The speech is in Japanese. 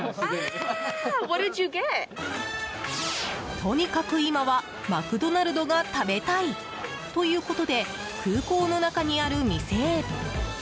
とにかく今はマクドナルドが食べたい！ということで空港の中にある店へ。